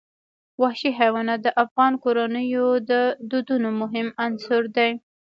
وحشي حیوانات د افغان کورنیو د دودونو مهم عنصر دی.